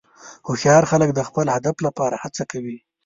هوښیار خلک د خپل هدف لپاره هڅه کوي.